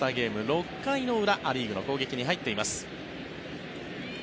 ６回の裏、ア・リーグの攻撃に入っています。